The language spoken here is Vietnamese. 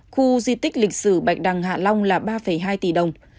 khu di tích lịch sử bạch đằng hạ long là ba hai tỷ đồng